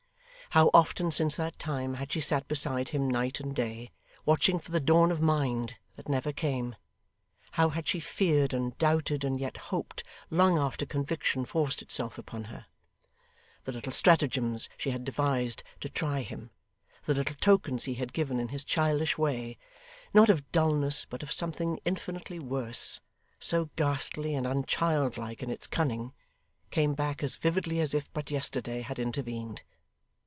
How often since that time had she sat beside him night and day, watching for the dawn of mind that never came; how had she feared, and doubted, and yet hoped, long after conviction forced itself upon her! The little stratagems she had devised to try him, the little tokens he had given in his childish way not of dulness but of something infinitely worse, so ghastly and unchildlike in its cunning came back as vividly as if but yesterday had intervened.